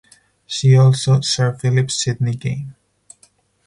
See also: Sir Philip Sidney game.